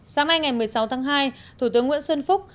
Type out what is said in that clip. sáng nay ngày một mươi sáu tháng hai thủ tướng nguyễn xuân phúc